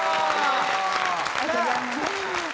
ありがとうございます。